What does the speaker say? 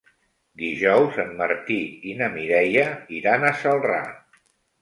Dijous en Martí i na Mireia iran a Celrà.